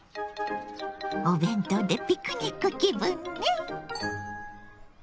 お弁当でピクニック気分ね！